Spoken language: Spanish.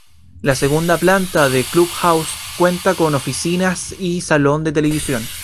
La segunda planta del "Club House" cuenta con oficinas y salón de televisión.